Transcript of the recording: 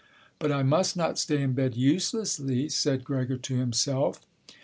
"But I must not stay in bed uselessly," said Gregor to himself.